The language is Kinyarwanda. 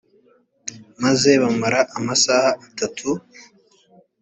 maze bamara amasaha atatu